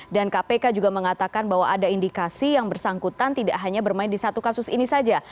dan kpk juga mengatakan bahwa ada indikasi yang bersangkutan tidak hanya bermain di satu kasus ini saja